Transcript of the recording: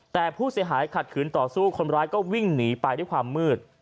แต่ผู้เสียหายขัดขืนต่อสู้คนร้ายก็วิ่งหนีไปด้วยความมืด